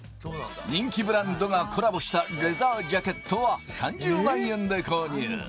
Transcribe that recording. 人気ブランドがコラボしたレザージャケットは３０万円で購入。